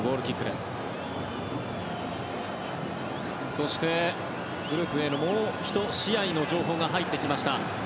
そしてグループＡのもう１試合の情報が入ってきました。